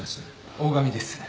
大上です。